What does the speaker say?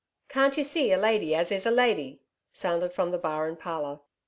Can't you see a lady as is a lady?' sounded from the bar and parlour.